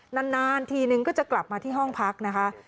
นานทีนึงก็จะกลับมาที่ห้องพักนะคะ